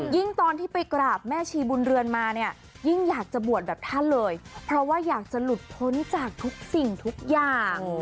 ตอนที่ไปกราบแม่ชีบุญเรือนมาเนี่ยยิ่งอยากจะบวชแบบท่านเลยเพราะว่าอยากจะหลุดพ้นจากทุกสิ่งทุกอย่าง